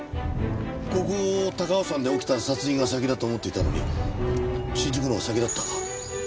ここ高尾山で起きた殺人が先だと思っていたのに新宿のほうが先だったか。